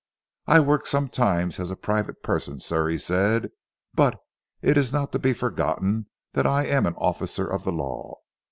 "I work sometimes as a private person, sir," he said, "but it is not to be forgotten that I am an officer of the law.